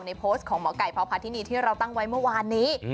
โพสต์ของหมอไก่พพาธินีที่เราตั้งไว้เมื่อวานนี้